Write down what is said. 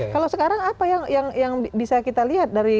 kalau sekarang apa yang bisa kita lihat dari